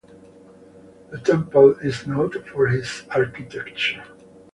The temple is noted for its architecture.